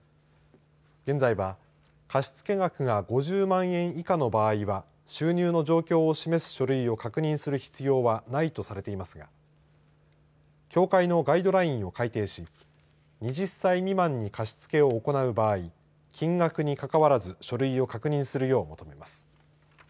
現在は貸付額が５０万円以下の場合は収入の状況を示す書類を確認する必要はないとされていますが協会のガイドラインを改定し２０歳未満に貸し付けを行う場合金額に関わらず書類を確認するよう求めます。